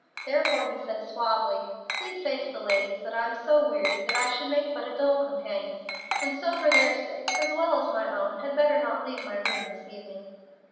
Therefore he said, suavely: "Please say to the ladies that I am so wearied that I should make but a dull companion, and so for their sakes, as well as my own, had better not leave my room this evening."